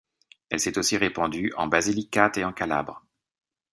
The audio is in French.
Elle s'est aussi répandue en Basilicate et en Calabre.